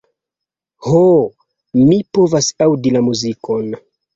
Ho, mi povas aŭdi la muzikon.